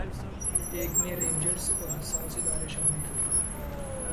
ایک میں رینجرز اور حساس ادارے شامل تھے